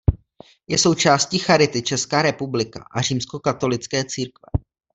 Je součástí Charity Česká republika a římskokatolické církve.